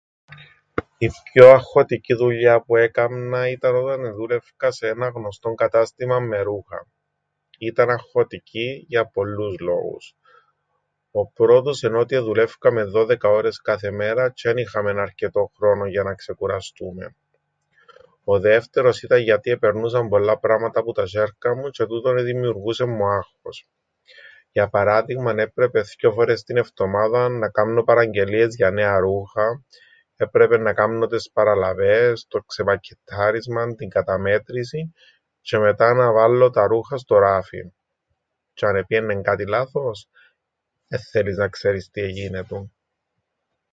Η πιο αγχωτική δουλειά που έκαμνα ήταν όταν εδούλευκα σε έναν γνωστόν κατάστημαν με ρούχα. Ήταν αγχωτική για πολλούς λόγους. Ο πρώτος εν' ότι εδουλεύκαμεν 12 ώρες κάθε μέρα τζ̆αι εν είχαμεν αρκετόν χρόνον για να ξεκουραστούμεν. Ο δεύτερος ήταν γιατί επερνούσαν πολλά πράματα που τα σ̆έρκα μου τζ̆αι τούτον εδημιουργούσεν μου άγχος. Για παράδειγμαν έπρεπεν θκυο φορές την εφτομάδαν να κάμνω παραγγελίες για νέα ρούχα, έπρεπεν να κάμνω τες παραλαβές, το ξεπακκεττάρισμαν, την καταμέτρησην τζ̆αι μετά να βάλλω τα ρούχα στο ράφιν. Τζ̆αι αν επ΄ήαιννεν κάτι λάθος... εν θέλεις να ξέρεις τι εγίνετουν!